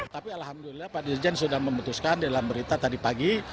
tapi alhamdulillah pak dirjen sudah memutuskan dalam berita tadi pagi